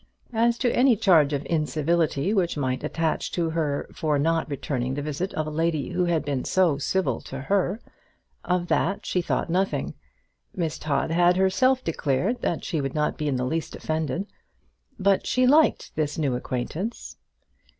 As to any charge of incivility which might attach to her for not returning the visit of a lady who had been so civil to her, of that she thought nothing. Miss Todd had herself declared that she would not be in the least offended. But she liked this new acquaintance.